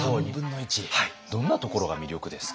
どんなところが魅力ですか？